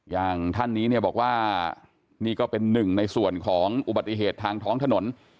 อย่างท่านนี้เนี่ยบอกว่านี่ก็เป็นหนึ่งในส่วนของอุบัติเหตุทางท้องถนน